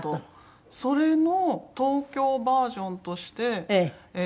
それの東京バージョンとしてえっと